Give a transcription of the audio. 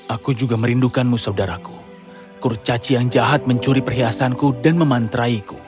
aku juga merindukanmu saudaraku kurcaci yang jahat mencuri perhiasanku dan memantraiku